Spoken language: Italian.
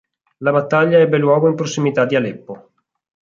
La battaglia ebbe luogo in prossimità di Aleppo.